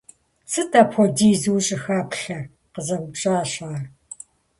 Сыт апхуэдизу ущӀыхэплъэр? – къызэупщӀащ ар.